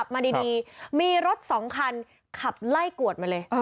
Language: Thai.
มาดีมีรถ๒คันขับไล่กวดมาเลย